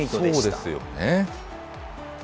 そうですよね。